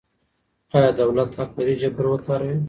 آیا دولت حق لري جبر وکاروي؟